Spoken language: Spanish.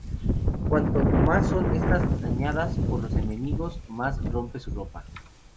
Cuanto más son estas dañadas por los enemigos, más se rompe su ropa.